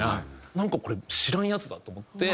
なんかこれ知らんやつだと思って。